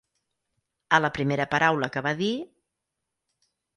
A la primera paraula que va dir...